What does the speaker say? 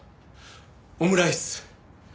オムライス。